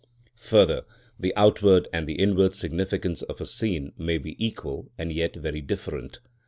Further, the outward and the inward significance of a scene may be equal and yet very different.